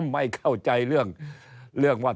ไม่เข้าใจเรื่องว่า